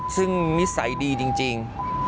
ซึ่งนิสัยดีจริง